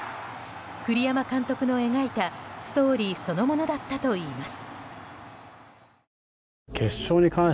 栗山監督の描いたストーリーそのものだったといいます。